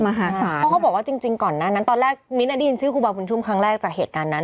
เพราะเขาบอกว่าจริงก่อนหน้านั้นตอนแรกมิ้นทได้ยินชื่อครูบาบุญชุมครั้งแรกจากเหตุการณ์นั้น